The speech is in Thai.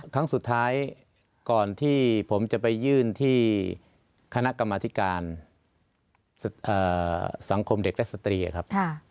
ครั้งสุดท้ายก่อนที่ผมจะไปยื่นที่คณะกรรมธิการสังคมเด็กและสตรีครับ